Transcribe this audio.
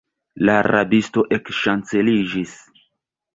La rabisto ekŝanceliĝis.